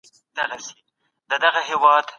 رڼا بدله کړئ ترڅو په نسخه کې اضافه سوي توري وګورئ.